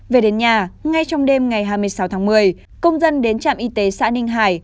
về đến nhà ngay trong đêm ngày hai mươi sáu tháng một mươi công dân đến trạm y tế xã ninh hải